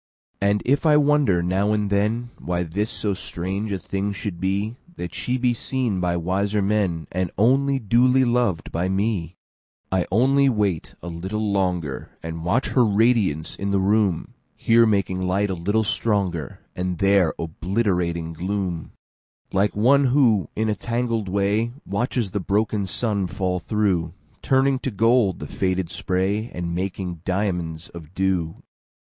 And if I wonder now and thenWhy this so strange a thing should be—That she be seen by wiser menAnd only duly lov'd by me:I only wait a little longer, And watch her radiance in the room; Here making light a little stronger, And there obliterating gloom,(Like one who, in a tangled way, Watches the broken sun fall through, Turning to gold the faded spray, And making diamonds of dew).